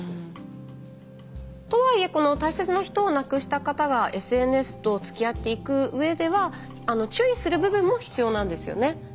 とはいえ大切な人を亡くした方がＳＮＳとつきあっていくうえでは注意する部分も必要なんですよね。